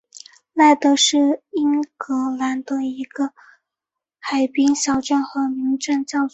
赖德是英格兰的一个海滨小镇和民政教区。